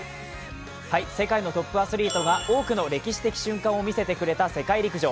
世界のトップアスリートが多くの歴史的瞬間を見せてくれた世界陸上。